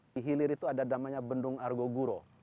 di hilir itu ada namanya bendung argo guro